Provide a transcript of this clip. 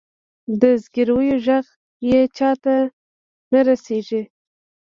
د زګیرویو ږغ یې چاته نه رسیږې